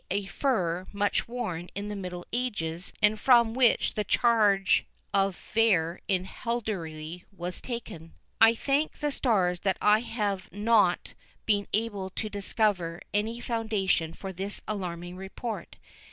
_, a fur much worn in the middle ages, and from which the charge of vair in heraldry was taken. I thank the stars that I have not been able to discover any foundation for this alarming report.